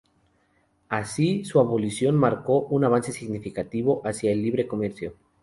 Así, su abolición marcó un avance significativo hacia el libre comercio.